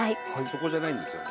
そこじゃないんですよ